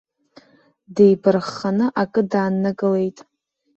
Деибархханы акы дааннакылеит.